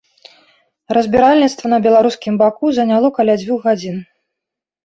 Разбіральніцтва на беларускім баку заняло каля дзвюх гадзін.